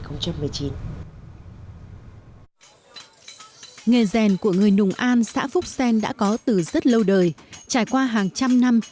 nghề rèn của người nùng an xã phúc sen đã có từ rất lâu đời trải qua hàng trăm năm